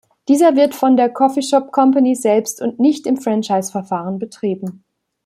Dieser wird von der Coffeeshop Company selbst und nicht im Franchise-Verfahren betrieben.